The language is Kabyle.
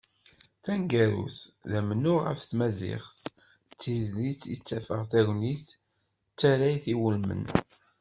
Taneggarut, d amennuɣ ɣef tmaziɣt, d tizlit i ttafeɣ d tagnit d tarrayt iwulmen.